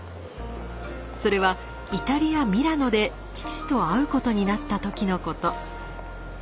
それはイタリアミラノで父と会うことになった時のこと。